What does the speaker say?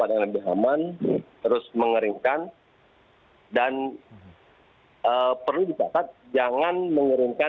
terima kasih pak agung